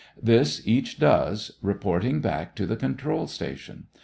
This each does, reporting back to the control station.